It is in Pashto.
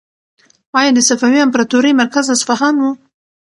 ایا د صفوي امپراطورۍ مرکز اصفهان و؟